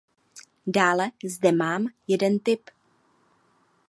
Dále zde mám jeden tip.